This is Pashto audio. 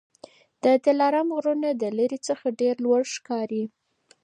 د دلارام غرونه د لیري څخه ډېر لوړ ښکاري